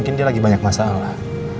jadi dia lagi banyak masalah